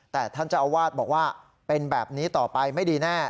แต่ท่านเจ้าอาวาสบอกว่าเป็นแบบนี้ต่อไปไม่ดีแน่